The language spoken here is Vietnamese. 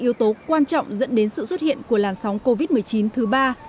nguyên liệu quan trọng dẫn đến sự xuất hiện của làn sóng covid một mươi chín thứ ba